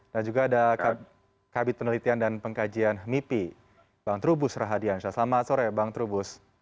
dan juga ada kabit penelitian dan pengkajian mipi bang trubus rahadian selamat sore bang trubus